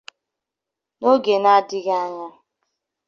n'oge adịghị anya.